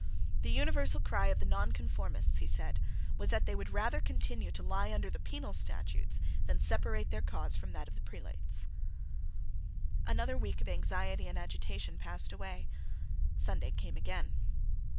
The universal cry of the Nonconformists, he said, was that they would rather continue to lie under the penal statutes than separate their cause from that of the prelates. Another week of anxiety and agitation passed away. Sunday came again.